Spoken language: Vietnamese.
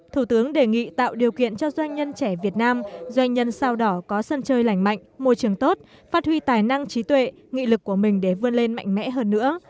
thủ tướng đề nghị tạo điều kiện cho doanh nhân trẻ việt nam doanh nhân sao đỏ có sân chơi lành mạnh môi trường tốt phát huy tài năng trí tuệ nghị lực của mình để vươn lên mạnh mẽ hơn nữa